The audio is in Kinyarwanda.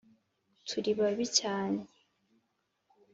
Turi babi cyane.